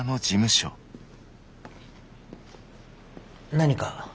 何か？